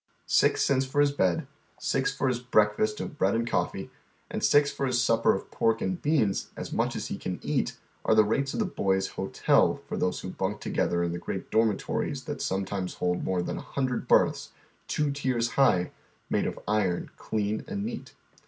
Six cents for his bed, six for his breakfast of bread and coffee, and six for his supper of pork and beans, as much as he can eat, are the rates of the boys' " hotel " for those wlio bunk together in the great dormitories that some times hold more than a hundred berths, two tiers high, made of iron, clean and neat.